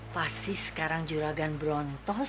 pasti sekarang juragan berontos